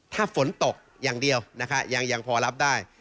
ถ้าฝนตกอย่างเดียวนะคะยังพอรับได้